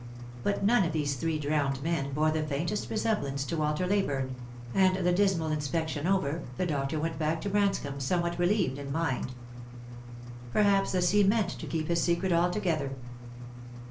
But none of those three drowned men bore the faintest resemblance to Walter Leyburne; and the dismal inspection over, the doctor went back to Branscomb somewhat relieved in mind. Perhaps the sea meant to keep his secret altogether.